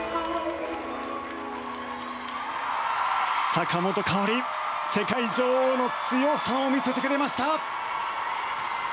坂本花織、世界女王の強さを見せてくれました。